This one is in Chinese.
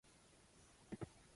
爱知县蒲郡市出身。